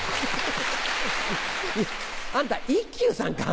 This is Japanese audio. あんた一休さんか。